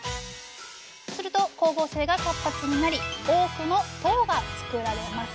すると光合成が活発になり多くの糖が作られます。